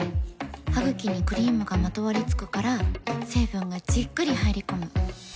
ハグキにクリームがまとわりつくから成分がじっくり入り込む。